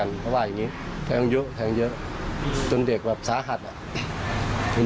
เรายังงานแบบนี้ครับผมสิ่งที่ผมก็ไม่เหมือน